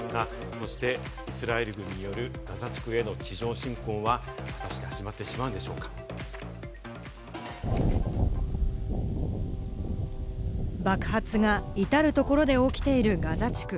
そしてイスラエル軍によるガザ地区への地上侵攻は果たして始まっ爆発が至るところで起きているガザ地区。